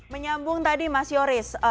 menyambung tadi mas yoris